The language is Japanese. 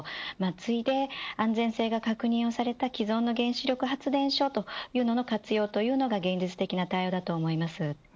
次いで安全性が確認された既存の原子力発電所というものの活用が現実的な対応です。